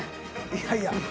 いやいや。